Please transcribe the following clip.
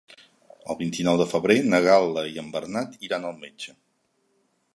El vint-i-nou de febrer na Gal·la i en Bernat iran al metge.